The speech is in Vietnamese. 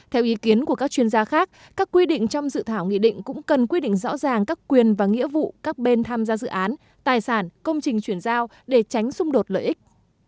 theo ý kiến của các chuyên gia khác các quy định trong dự thảo nghị định cũng cần quy định rõ ràng các quyền và nghĩa vụ các bên tham gia dự án tài sản công trình chuyển giao để tránh xung đột lợi ích